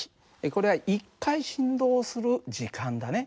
これは１回振動する時間だね。